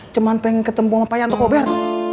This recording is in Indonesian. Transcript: cuman pengen ketemu ngapain toko ber